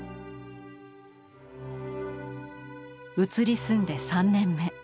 移り住んで３年目。